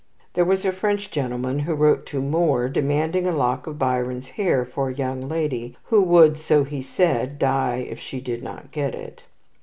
There was a French gentleman who wrote to Moore, demanding a lock of Byron's hair for a young lady, who would so he said die if she did not get it.